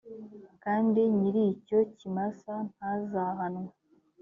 kandi nyir icyo kimasa ntazahanwe